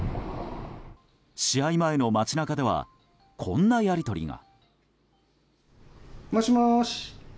試合前の街中ではこんなやり取りが。